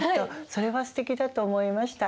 それはすてきだと思いました。